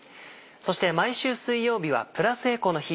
そして毎週水曜日はプラスエコの日。